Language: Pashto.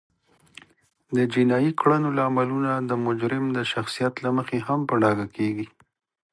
د جینایي کړنو لاملونه د مجرم د شخصیت له مخې هم په ډاګه کیږي